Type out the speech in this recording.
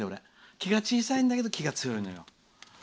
気が小さいんだけど気が強いのよ。